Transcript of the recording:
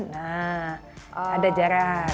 nah ada jarak